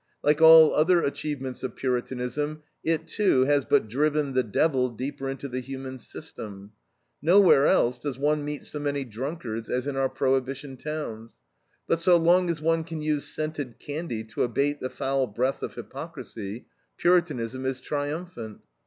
Like all other achievements of Puritanism it, too, has but driven the "devil" deeper into the human system. Nowhere else does one meet so many drunkards as in our Prohibition towns. But so long as one can use scented candy to abate the foul breath of hypocrisy, Puritanism is triumphant.